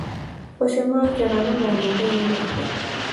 په شمال کې غنم او ډوډۍ ډیره خوري.